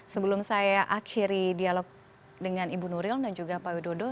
sebelum saya akhiri dialog dengan ibu nuril dan juga pak widodo